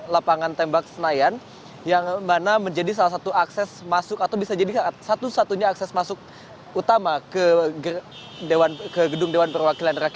lapangan tembak senayan yang mana menjadi salah satu akses masuk atau bisa jadi satu satunya akses masuk utama ke gedung dewan perwakilan rakyat